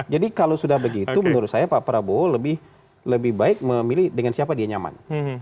jadi kalau sudah begitu menurut saya pak prabowo lebih baik memilih dengan siapa dia nyaman